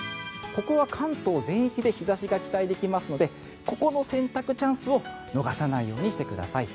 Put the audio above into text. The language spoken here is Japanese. ここは関東全域で日差しが期待できますのでここの洗濯チャンスを逃さないようにしてください。